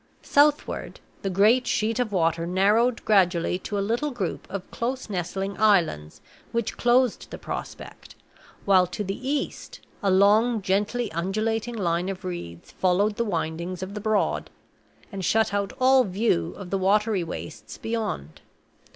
Southward, the great sheet of water narrowed gradually to a little group of close nestling islands which closed the prospect; while to the east a long, gently undulating line of reeds followed the windings of the Broad, and shut out all view of the watery wastes beyond.